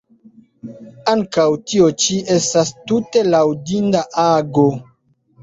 Ankaŭ tio ĉi estas tute laŭdinda ago.